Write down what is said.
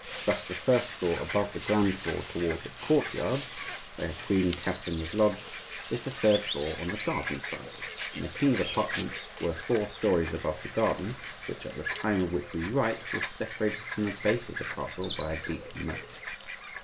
Thus the first floor above the ground floor toward the courtyard (where Queen Catherine was lodged) is the third floor on the garden side, and the king's apartments were four storeys above the garden, which at the time of which we write was separated from the base of the castle by a deep moat.